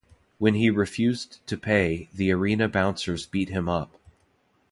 When he refused to pay, the Arena bouncers beat him up.